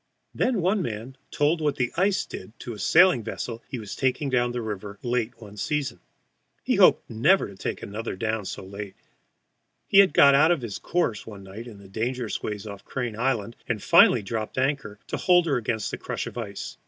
Then one man told what the ice did to a sailing vessel he was taking down the river late one season. He hoped never to take another down so late. He had got out of his course one night in the dangerous ways off Crane Island, and finally dropped anchor to hold her against the crush of ice.